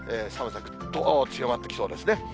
寒さ、ぐっと強まってきそうですね。